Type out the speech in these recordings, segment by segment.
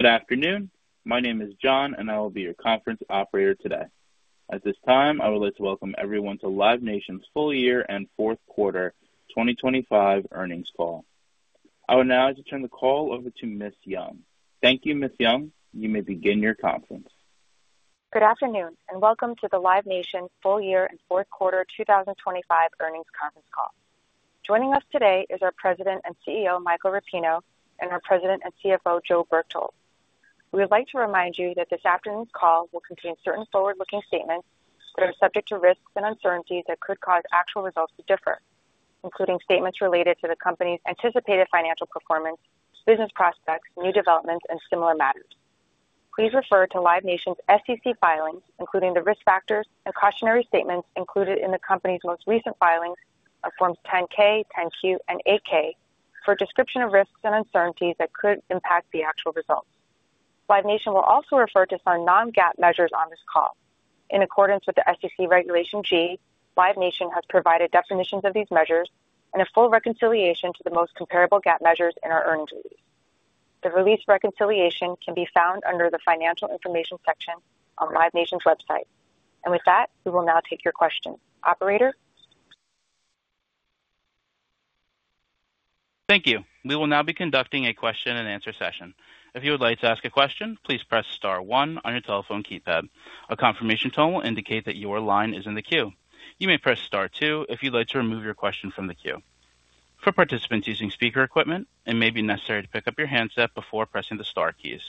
Good afternoon. My name is John, and I will be your conference operator today. At this time, I would like to welcome everyone to Live Nation's Full Year and Fourth Quarter 2025 Earnings Call. I would now like to turn the call over to Ms. Yong. Thank you, Ms. Yong. You may begin your conference. Good afternoon, and welcome to the Live Nation full year and Fourth Quarter 2025 Earnings Conference Call. Joining us today is our President and CEO, Michael Rapino, and our President and CFO, Joe Berchtold. We would like to remind you that this afternoon's call will contain certain forward-looking statements that are subject to risks and uncertainties that could cause actual results to differ, including statements related to the company's anticipated financial performance, business prospects, new developments, and similar matters. Please refer to Live Nation's SEC filings, including the risk factors and cautionary statements included in the company's most recent filings of Forms 10-K, 10-Q, and 8-K, for a description of risks and uncertainties that could impact the actual results. Live Nation will also refer to some non-GAAP measures on this call. In accordance with the SEC Regulation G, Live Nation has provided definitions of these measures and a full reconciliation to the most comparable GAAP measures in our earnings. The released reconciliation can be found under the Financial Information section on Live Nation's website. With that, we will now take your questions. Operator? Thank you. We will now be conducting a question-and-answer session. If you would like to ask a question, please press star one on your telephone keypad. A confirmation tone will indicate that your line is in the queue. You may press star two if you'd like to remove your question from the queue. For participants using speaker equipment, it may be necessary to pick up your handset before pressing the star keys.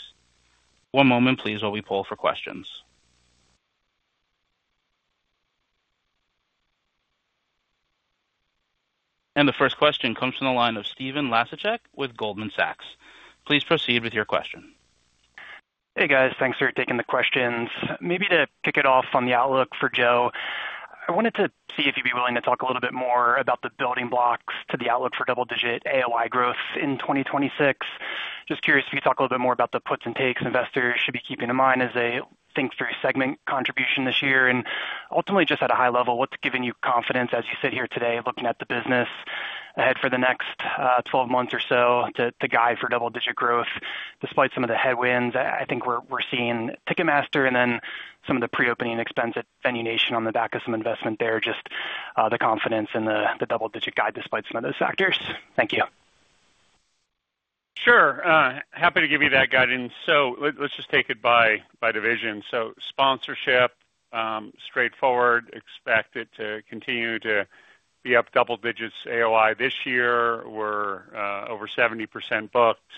One moment, please, while we poll for questions. The first question comes from the line of Stephen Laszczyk with Goldman Sachs. Please proceed with your question. Hey, guys. Thanks for taking the questions. Maybe to kick it off on the outlook for Joe, I wanted to see if you'd be willing to talk a little bit more about the building blocks to the outlook for double-digit AOI growth in 2026. Just curious if you could talk a little bit more about the puts and takes investors should be keeping in mind as they think through segment contribution this year. And ultimately, just at a high level, what's giving you confidence as you sit here today looking at the business ahead for the next, 12 months or so to guide for double-digit growth, despite some of the headwinds? I think we're, we're seeing Ticketmaster and then some of the pre-opening expense at Venue Nation on the back of some investment there, just, the confidence in the, the double-digit guide despite some of those factors. Thank you. Sure. Happy to give you that guidance. So let's just take it by division. So sponsorship, straightforward, expect it to continue to be up double digits AOI this year. We're over 70% booked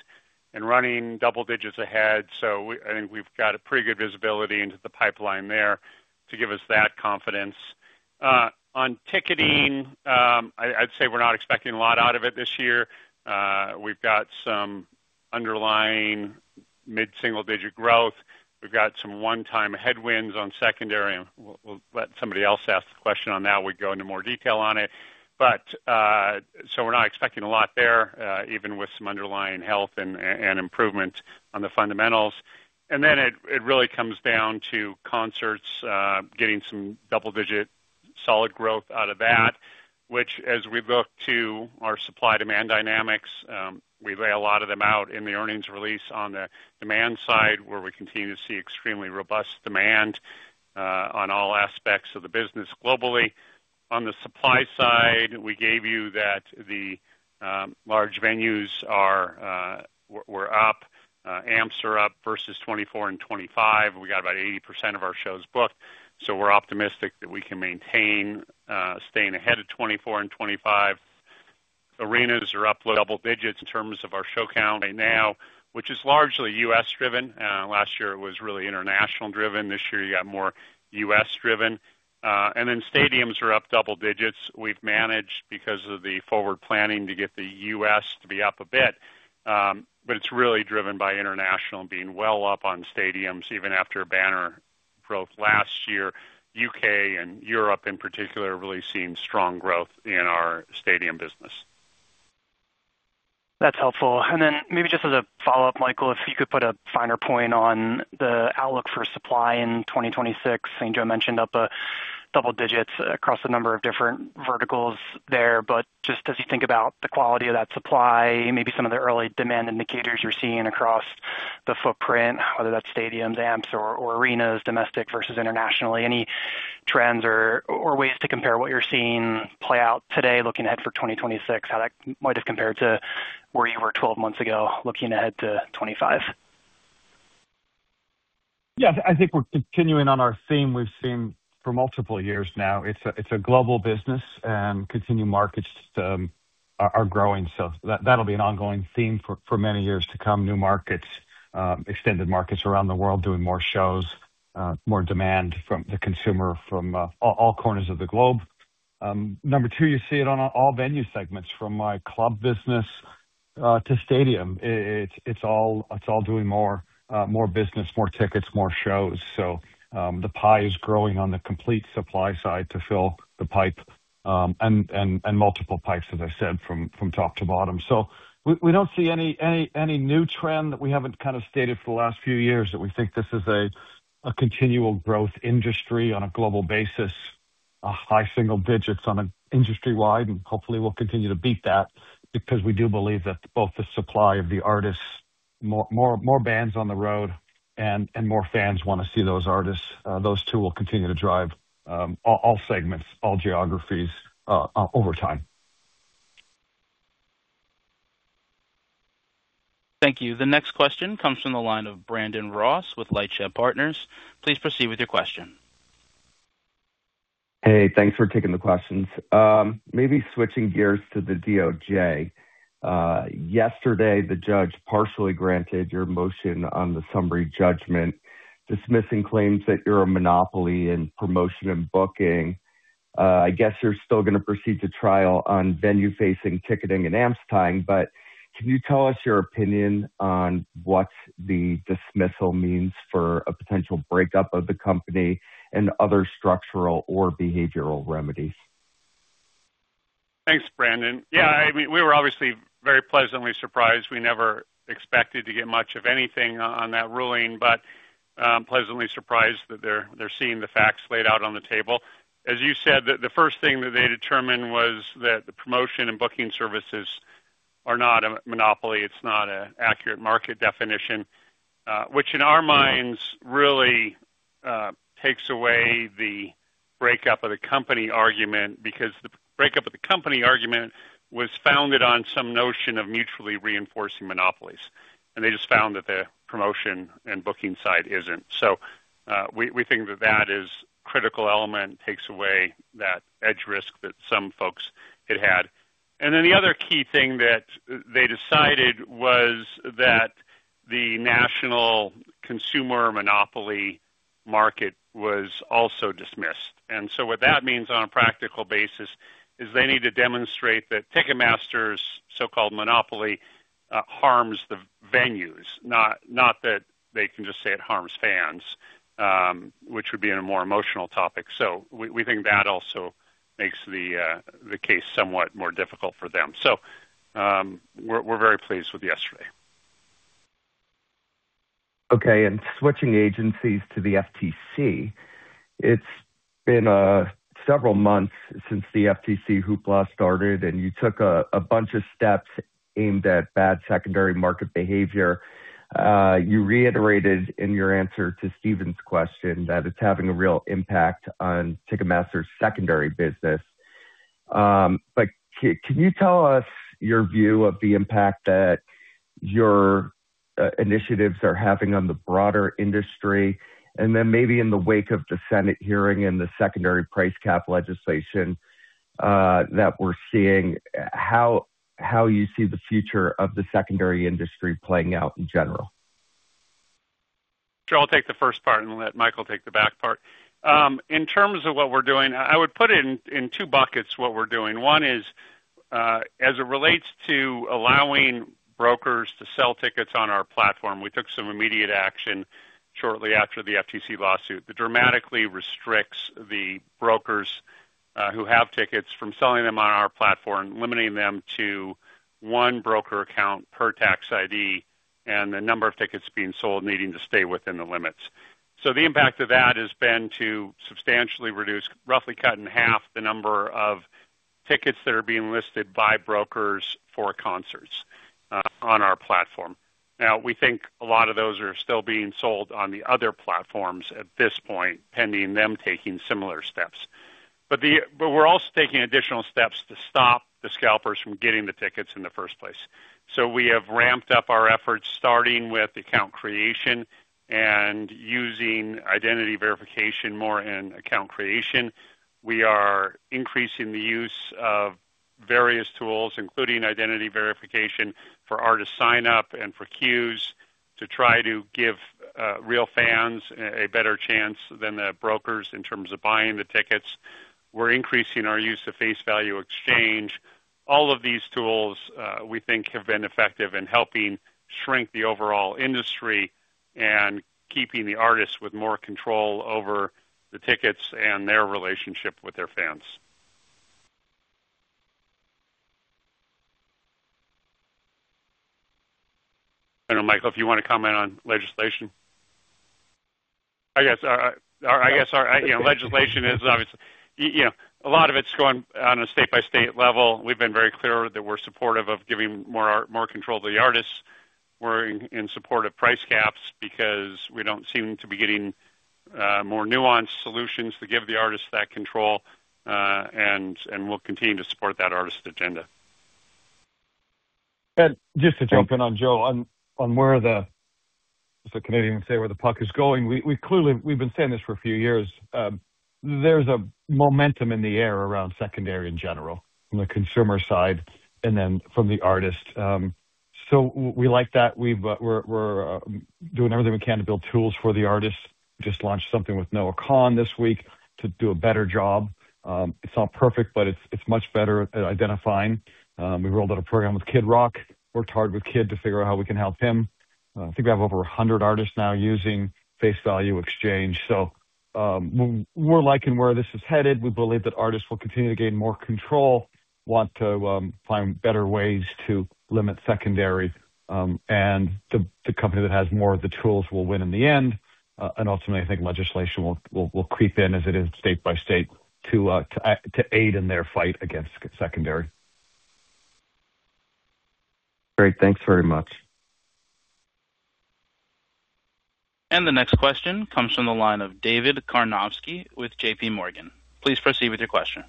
and running double digits ahead, so I think we've got a pretty good visibility into the pipeline there to give us that confidence. On ticketing, I'd say we're not expecting a lot out of it this year. We've got some underlying mid-single-digit growth. We've got some one-time headwinds on secondary, and we'll let somebody else ask the question on that. We go into more detail on it, but so we're not expecting a lot there, even with some underlying health and improvement on the fundamentals. And then it really comes down to concerts getting some double-digit solid growth out of that, which as we look to our supply-demand dynamics, we lay a lot of them out in the earnings release on the demand side, where we continue to see extremely robust demand on all aspects of the business globally. On the supply side, we gave you that the large venues are up. Amps are up versus 2024 and 2025. We got about 80% of our shows booked, so we're optimistic that we can maintain staying ahead of 2024 and 2025. Arenas are up double digits in terms of our show count right now, which is largely U.S.-driven. Last year it was really international-driven. This year, you got more U.S.-driven. And then stadiums are up double digits. We've managed, because of the forward planning, to get the U.S. to be up a bit, but it's really driven by international and being well up on stadiums even after a banner growth last year. U.K. and Europe, in particular, are really seeing strong growth in our stadium business. That's helpful. And then maybe just as a follow-up, Michael, if you could put a finer point on the outlook for supply in 2026. I think Joe mentioned up double digits across a number of different verticals there, but just as you think about the quality of that supply, maybe some of the early demand indicators you're seeing across the footprint, whether that's stadiums, amps or arenas, domestic versus internationally, any trends or ways to compare what you're seeing play out today, looking ahead for 2026, how that might have compared to where you were 12 months ago, looking ahead to 2025? Yeah, I think we're continuing on our theme we've seen for multiple years now. It's a global business, and continuing markets are growing, so that'll be an ongoing theme for many years to come. New markets, extended markets around the world, doing more shows, more demand from the consumer from all corners of the globe. Number two, you see it on all venue segments, from my club business to stadium. It's all doing more business, more tickets, more shows. So, the pie is growing on the complete supply side to fill the pipe, and multiple pipes, as I said, from top to bottom. So we don't see any new trend that we haven't kind of stated for the last few years, that we think this is a continual growth industry on a global basis. A high single digits on an industry-wide, and hopefully, we'll continue to beat that because we do believe that both the supply of the artists, more bands on the road and more fans want to see those artists. Those two will continue to drive all segments, all geographies, over time. Thank you. The next question comes from the line of Brandon Ross with LightShed Partners. Please proceed with your question. Hey, thanks for taking the questions. Maybe switching gears to the DOJ. Yesterday, the judge partially granted your motion on the summary judgment, dismissing claims that you're a monopoly in promotion and booking. I guess you're still going to proceed to trial on venue-facing ticketing and amps time, but can you tell us your opinion on what the dismissal means for a potential breakup of the company and other structural or behavioral remedies? Thanks, Brandon. Yeah, I mean, we were obviously very pleasantly surprised. We never expected to get much of anything on that ruling, but pleasantly surprised that they're seeing the facts laid out on the table. As you said, the first thing that they determined was that the promotion and booking services are not a monopoly. It's not an accurate market definition, which in our minds really takes away the breakup of the company argument, because the breakup of the company argument was founded on some notion of mutually reinforcing monopolies, and they just found that the promotion and booking side isn't. So we think that that is a critical element, takes away that edge risk that some folks had had. And then the other key thing that they decided was that the national consumer monopoly market was also dismissed. And so what that means on a practical basis is they need to demonstrate that Ticketmaster's so-called monopoly harms the venues, not, not that they can just say it harms fans, which would be a more emotional topic. So we think that also makes the case somewhat more difficult for them. So, we're very pleased with yesterday. Okay, and switching agencies to the FTC. It's been several months since the FTC hoopla started, and you took a bunch of steps aimed at bad secondary market behavior. You reiterated in your answer to Stephen's question that it's having a real impact on Ticketmaster's secondary business. But can you tell us your view of the impact that your initiatives are having on the broader industry? And then maybe in the wake of the Senate hearing and the secondary price cap legislation that we're seeing, how you see the future of the secondary industry playing out in general? Sure. I'll take the first part and let Michael take the back part. In terms of what we're doing, I would put it in two buckets, what we're doing. One is, as it relates to allowing brokers to sell tickets on our platform, we took some immediate action shortly after the FTC lawsuit, that dramatically restricts the brokers who have tickets from selling them on our platform, limiting them to one broker account per tax ID, and the number of tickets being sold needing to stay within the limits. So the impact of that has been to substantially reduce, roughly cut in half, the number of tickets that are being listed by brokers for concerts on our platform. Now, we think a lot of those are still being sold on the other platforms at this point, pending them taking similar steps. But we're also taking additional steps to stop the scalpers from getting the tickets in the first place. So we have ramped up our efforts, starting with account creation and using identity verification more in account creation. We are increasing the use of various tools, including identity verification, for artist sign up and for queues, to try to give real fans a better chance than the brokers in terms of buying the tickets. We're increasing our use of Face Value Exchange. All of these tools, we think have been effective in helping shrink the overall industry and keeping the artists with more control over the tickets and their relationship with their fans. I don't know, Michael, if you want to comment on legislation. I guess our, you know, legislation is obviously, you know, a lot of it's going on a state-by-state level. We've been very clear that we're supportive of giving more, more control to the artists. We're in support of price caps because we don't seem to be getting more nuanced solutions to give the artists that control, and we'll continue to support that artist agenda. Just to jump in on Joe, on where the as a Canadian would say, where the puck is going, we clearly, we've been saying this for a few years, there's a momentum in the air around secondary in general, from the consumer side and then from the artist. So we like that. We've, we're doing everything we can to build tools for the artists. Just launched something with Noah Kahan this week to do a better job. It's not perfect, but it's much better at identifying. We rolled out a program with Kid Rock, worked hard with Kid to figure out how we can help him. I think we have over 100 artists now using Face Value Exchange. So, we're liking where this is headed. We believe that artists will continue to gain more control, want to find better ways to limit secondary, and the company that has more of the tools will win in the end. And ultimately, I think legislation will creep in as it is state by state, to aid in their fight against secondary. Great. Thanks very much. The next question comes from the line of David Karnovsky with JPMorgan. Please proceed with your question.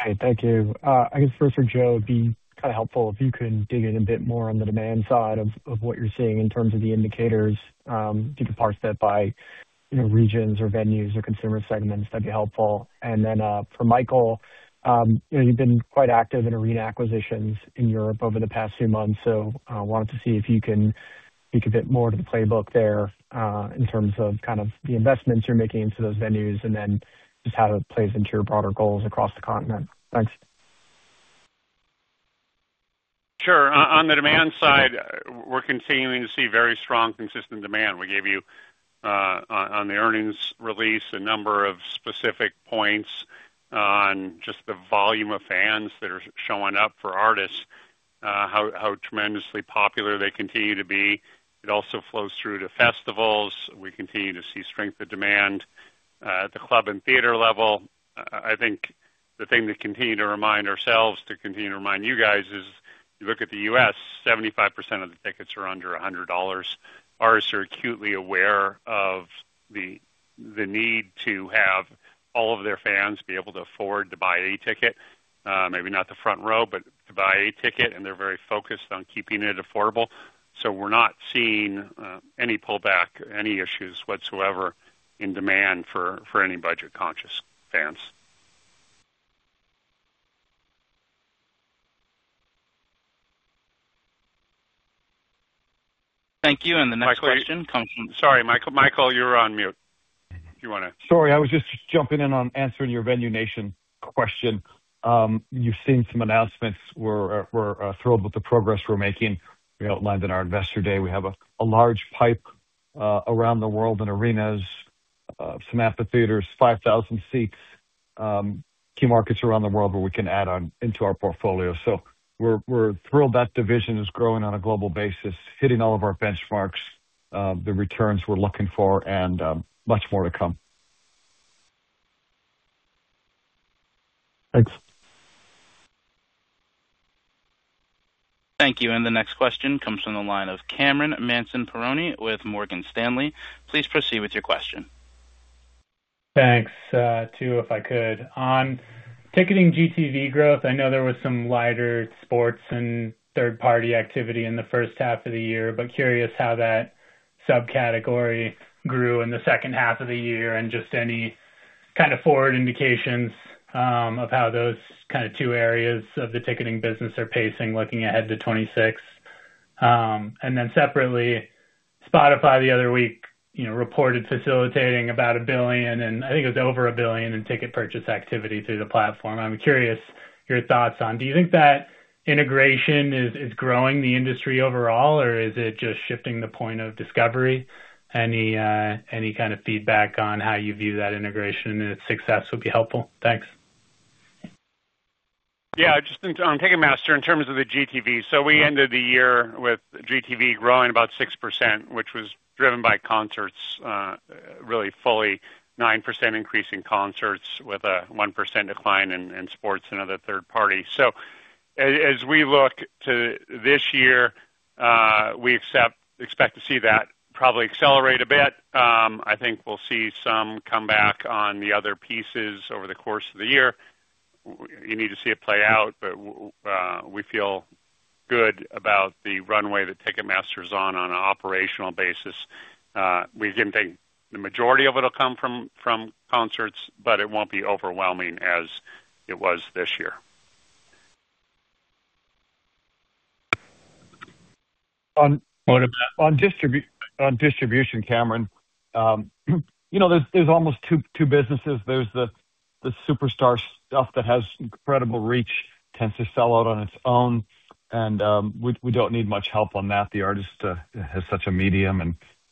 Hi, thank you. I guess first for Joe, it'd be kind of helpful if you could dig in a bit more on the demand side of what you're seeing in terms of the indicators, if you could parse that by, you know, regions or venues or consumer segments, that'd be helpful. And then, for Michael, you know, you've been quite active in arena acquisitions in Europe over the past few months, so I wanted to see if you can speak a bit more to the playbook there, in terms of kind of the investments you're making into those venues and then just how it plays into your broader goals across the continent. Thanks. Sure. On the demand side, we're continuing to see very strong, consistent demand. We gave you on the earnings release, a number of specific points on just the volume of fans that are showing up for artists, how tremendously popular they continue to be. It also flows through to festivals. We continue to see strength of demand at the club and theater level. I think the thing we continue to remind ourselves, to continue to remind you guys is, you look at the U.S., 75% of the tickets are under $100. Artists are acutely aware of the need to have all of their fans be able to afford to buy a ticket, maybe not the front row, but to buy a ticket, and they're very focused on keeping it affordable. So we're not seeing any pullback, any issues whatsoever in demand for any budget-conscious fans. Thank you. And the next question comes from Sorry, Michael, you're on mute, if you want to Sorry, I was just jumping in on answering your Venue Nation question. You've seen some announcements. We're, we're thrilled with the progress we're making. We outlined in our Investor Day, we have a large pipe around the world in arenas, some amphitheaters, 5,000 seats, key markets around the world where we can add on into our portfolio. So we're, we're thrilled that division is growing on a global basis, hitting all of our benchmarks, the returns we're looking for, and much more to come. Thanks. Thank you. The next question comes from the line of Cameron Mansson-Perrone with Morgan Stanley. Please proceed with your question. Thanks. Two, if I could. On ticketing GTV growth, I know there was some lighter sports and third-party activity in the first half of the year, but curious how that subcategory grew in the second half of the year, and just any kind of forward indications of how those kind of two areas of the ticketing business are pacing, looking ahead to 2026. And then separately, Spotify the other week, you know, reported facilitating about $1 billion, and I think it was over $1 billion in ticket purchase activity through the platform. I'm curious your thoughts on, do you think that integration is growing the industry overall, or is it just shifting the point of discovery? Any, any kind of feedback on how you view that integration and its success would be helpful. Thanks. Yeah, just on Ticketmaster, in terms of the GTV, so we ended the year with GTV growing about 6%, which was driven by concerts, really fully 9% increase in concerts with a 1% decline in sports and other third party. So as we look to this year, we expect to see that probably accelerate a bit. I think we'll see some comeback on the other pieces over the course of the year. You need to see it play out, but we feel good about the runway that Ticketmaster is on an operational basis. We can take the majority of it'll come from concerts, but it won't be overwhelming as it was this year. On distribution, Cameron, you know, there's almost two businesses. There's the superstar stuff that has incredible reach, tends to sell out on its own, and we don't need much help on that. The artist has such media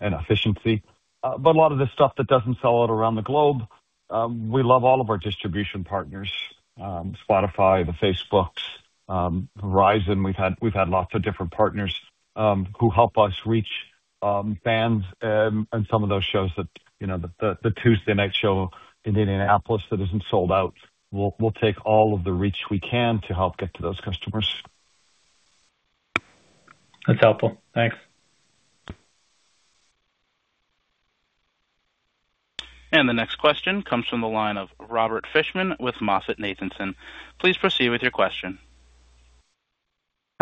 efficiency. But a lot of the stuff that doesn't sell out around the globe, we love all of our distribution partners, Spotify, the Facebooks, Verizon. We've had lots of different partners who help us reach fans, and some of those shows that, you know, the Tuesday night show in Indianapolis that isn't sold out, we'll take all of the reach we can to help get to those customers. That's helpful. Thanks. The next question comes from the line of Robert Fishman with MoffettNathanson. Please proceed with your question.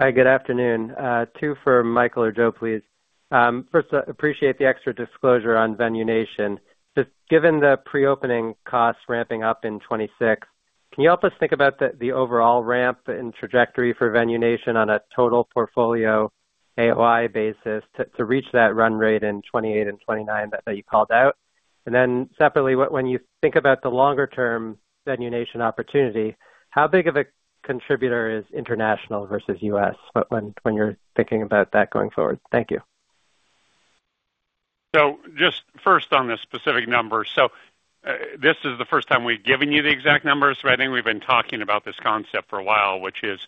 Hi, good afternoon. Two for Michael or Joe, please. First, I appreciate the extra disclosure on Venue Nation. Just given the pre-opening costs ramping up in 2026, can you help us think about the overall ramp and trajectory for Venue Nation on a total portfolio AOI basis to reach that run rate in 2028 and 2029 that you called out? And then separately, when you think about the longer-term Venue Nation opportunity, how big of a contributor is international versus U.S. when you're thinking about that going forward? Thank you. So just first on the specific numbers. So, this is the first time we've given you the exact numbers, so I think we've been talking about this concept for a while, which is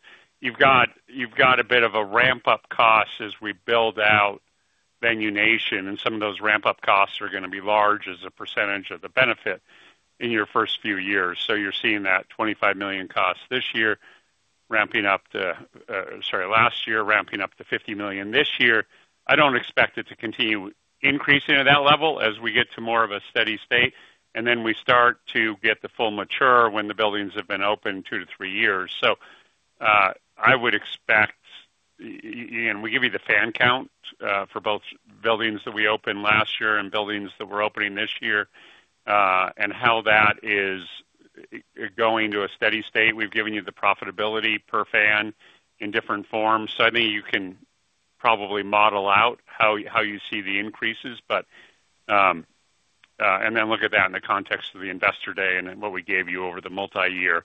you've got, you've got a bit of a ramp-up cost as we build out Venue Nation, and some of those ramp-up costs are going to be large as a percentage of the benefit in your first few years. So you're seeing that $25 million costs last year, ramping up to $50 million this year. I don't expect it to continue increasing at that level as we get to more of a steady state, and then we start to get the full mature when the buildings have been open two to threeyears. So, I would expect, and we give you the fan count for both buildings that we opened last year and buildings that we're opening this year, and how that is going to a steady state. We've given you the profitability per fan in different forms. So I think you can probably model out how you see the increases, but, and then look at that in the context of the Investor Day and then what we gave you over the multiyear,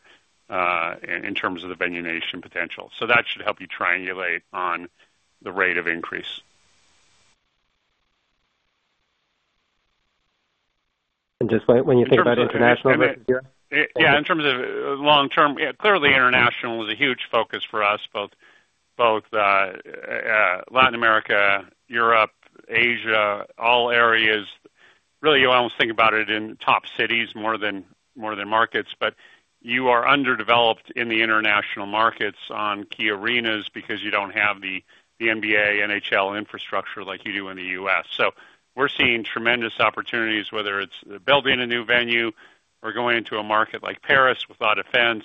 in terms of the Venue Nation potential. So that should help you triangulate on the rate of increase. Just when you think about international? Yeah, in terms of long term, clearly international was a huge focus for us, both, both Latin America, Europe, Asia, all areas. Really, you almost think about it in top cities more than, more than markets, but you are underdeveloped in the international markets on key arenas because you don't have the, the NBA, NHL infrastructure like you do in the U.S. So we're seeing tremendous opportunities, whether it's building a new venue or going into a market like Paris without a fence,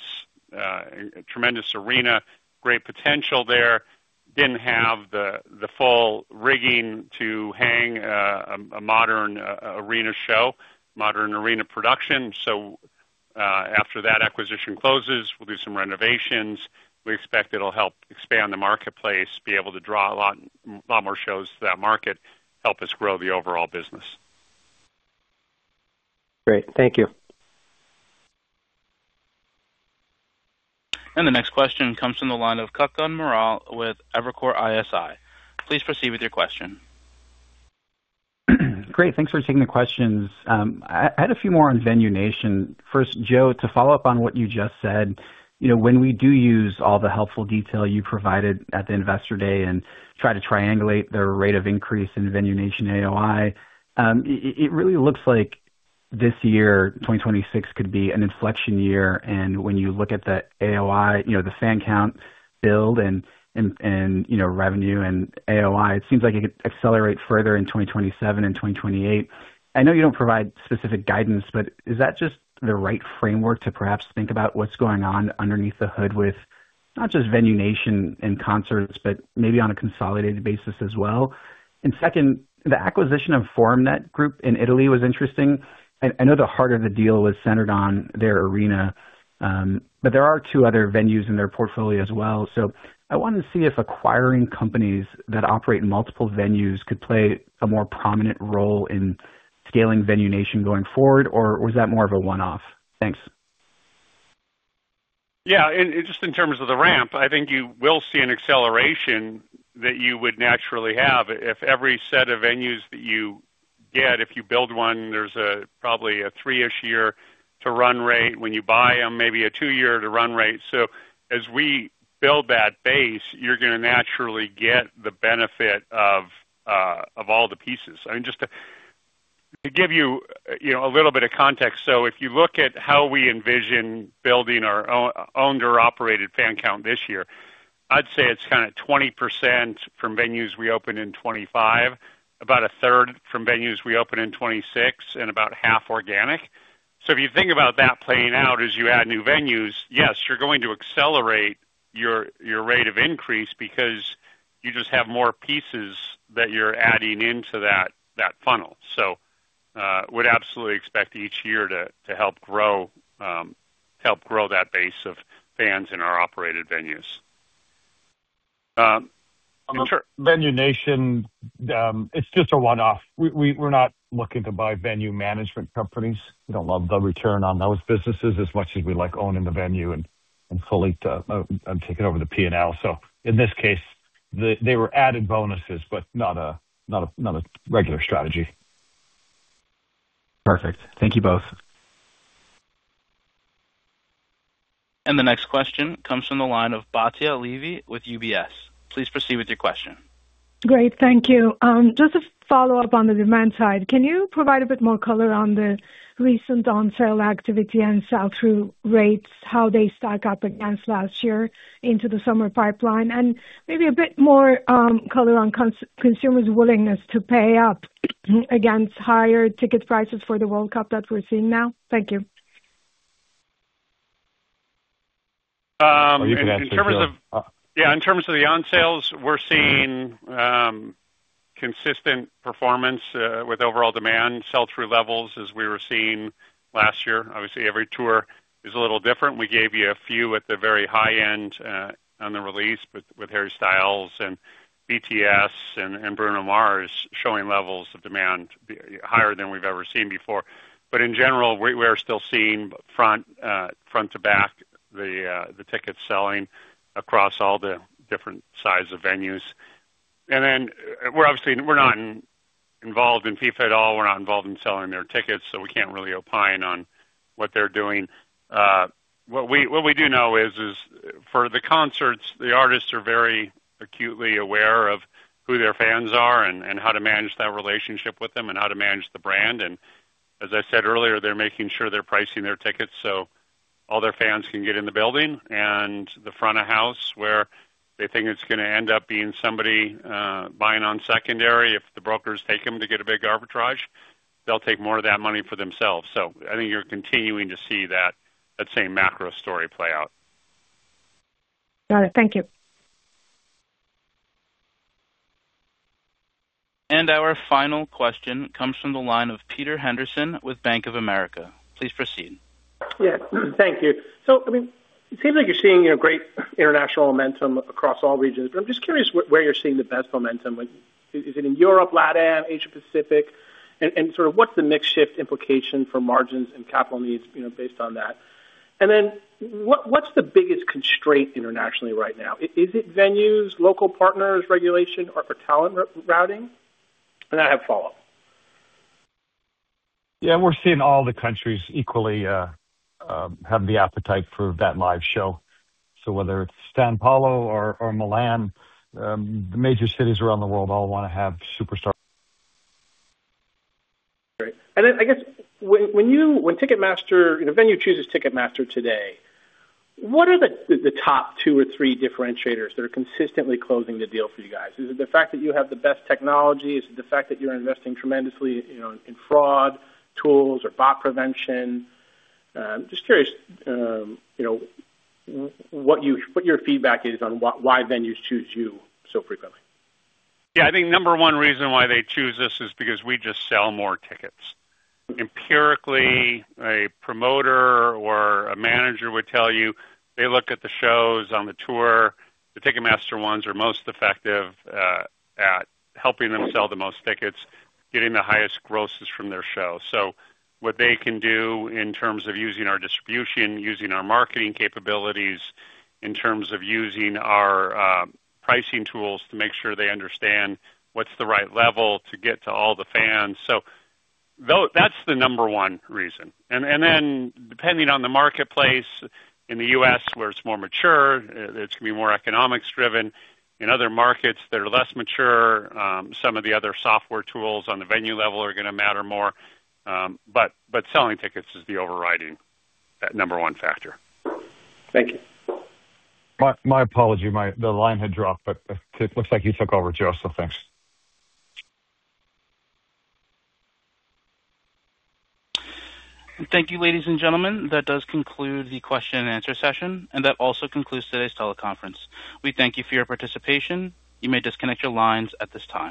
tremendous arena, great potential there. Didn't have the, the full rigging to hang a modern arena show, modern arena production. So, after that acquisition closes, we'll do some renovations. We expect it'll help expand the marketplace, be able to draw a lot, lot more shows to that market, help us grow the overall business. Great. Thank you. The next question comes from the line of Kutgun Maral with Evercore ISI. Please proceed with your question. Great, thanks for taking the questions. I had a few more on Venue Nation. First, Joe, to follow up on what you just said, you know, when we do use all the helpful detail you provided at the Investor Day and try to triangulate the rate of increase in Venue Nation AOI, it really looks like this year, 2026 could be an inflection year. And when you look at the AOI, you know, the fan count build and, you know, revenue and AOI, it seems like it could accelerate further in 2027 and 2028. I know you don't provide specific guidance, but is that just the right framework to perhaps think about what's going on underneath the hood with not just Venue Nation and concerts, but maybe on a consolidated basis as well? And second, the acquisition of ForumNet Group in Italy was interesting. I know the heart of the deal was centered on their arena, but there are two other venues in their portfolio as well. So I wanted to see if acquiring companies that operate in multiple venues could play a more prominent role in scaling Venue Nation going forward, or was that more of a one-off? Thanks. Yeah, and just in terms of the ramp, I think you will see an acceleration that you would naturally have if every set of venues that you get, if you build one, there's probably a three-ish year to run rate. When you buy them, maybe a two-year to run rate. So as we build that base, you're going to naturally get the benefit of all the pieces. I mean, just to, to give you, you know, a little bit of context. So if you look at how we envision building our own-owned or operated fan count this year, I'd say it's kind of 20% from venues we opened in 2025, about a third from venues we opened in 2026, and about half organic. So if you think about that playing out as you add new venues, yes, you're going to accelerate your rate of increase because you just have more pieces that you're adding into that funnel. So, would absolutely expect each year to help grow that base of fans in our operated venues. Sure. Venue Nation, it's just a one-off. We, we're not looking to buy venue management companies. We don't love the return on those businesses as much as we like owning the venue and fully taking over the P&L. So in this case, they were added bonuses, but not a regular strategy. Perfect. Thank you both. The next question comes from the line of Batya Levi with UBS. Please proceed with your question. Great, thank you. Just to follow up on the demand side, can you provide a bit more color on the recent on-sale activity and sell-through rates, how they stack up against last year into the summer pipeline? And maybe a bit more color on consumers' willingness to pay up against higher ticket prices for the World Cup that we're seeing now. Thank you. In terms of- You can answer. Yeah, in terms of the on-sales, we're seeing consistent performance with overall demand, sell-through levels as we were seeing last year. Obviously, every tour is a little different. We gave you a few at the very high end on the release with Harry Styles and BTS and Bruno Mars showing levels of demand higher than we've ever seen before. But in general, we are still seeing front to back, the tickets selling across all the different sides of venues. And then we're obviously, we're not involved in FIFA at all. We're not involved in selling their tickets, so we can't really opine on what they're doing. What we do know is for the concerts, the artists are very acutely aware of who their fans are and how to manage that relationship with them and how to manage the brand. And as I said earlier, they're making sure they're pricing their tickets so all their fans can get in the building and the front of house, where they think it's gonna end up being somebody buying on secondary if the brokers take them to get a big arbitrage, they'll take more of that money for themselves. So I think you're continuing to see that same macro story play out. Got it. Thank you. And our final question comes from the line of Peter Henderson with Bank of America. Please proceed. Yes, thank you. So, I mean, it seems like you're seeing a great international momentum across all regions, but I'm just curious where you're seeing the best momentum. Is it in Europe, LATAM, Asia Pacific? And, and sort of what's the mix shift implication for margins and capital needs, you know, based on that? And then what, what's the biggest constraint internationally right now? Is it venues, local partners, regulation, or for talent routing? And I have a follow-up. Yeah, we're seeing all the countries equally have the appetite for that live show. So whether it's São Paulo or Milan, the major cities around the world all wanna have superstar. Great. And then, I guess, when a venue chooses Ticketmaster today, what are the top two or three differentiators that are consistently closing the deal for you guys? Is it the fact that you have the best technology? Is it the fact that you're investing tremendously, you know, in fraud tools or bot prevention? Just curious, you know, what your feedback is on why venues choose you so frequently. Yeah, I think number one reason why they choose us is because we just sell more tickets. Empirically, a promoter or a manager would tell you, they look at the shows on the tour. The Ticketmaster ones are most effective at helping them sell the most tickets, getting the highest grosses from their shows. So what they can do in terms of using our distribution, using our marketing capabilities, in terms of using our pricing tools to make sure they understand what's the right level to get to all the fans. So that's the number one reason. And then, depending on the marketplace, in the U.S., where it's more mature, it's gonna be more economics driven. In other markets that are less mature, some of the other software tools on the venue level are gonna matter more. But selling tickets is the overriding number one factor. Thank you. My apology. The line had dropped, but it looks like you took over, Joe, so thanks. Thank you, ladies and gentlemen. That does conclude the question and answer session, and that also concludes today's teleconference. We thank you for your participation. You may disconnect your lines at this time.